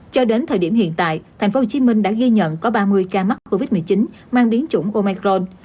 cho đến thời điểm hiện tại tp hcm đã ghi nhận có ba mươi ca mắc covid một mươi chín mang đến chủng omicron